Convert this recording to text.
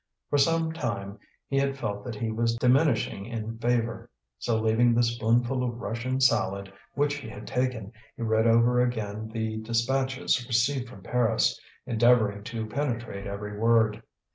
For some time he had felt that he was diminishing in favour. So leaving the spoonful of Russian salad which he had taken, he read over again the dispatches received from Paris, endeavouring to penetrate every word.